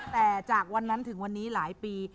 แต่จากวันนั้นถึงวันนี้หลายปี